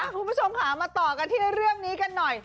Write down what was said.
คุณผู้ชมค่ะมาต่อกันที่เรื่องนี้กันหน่อย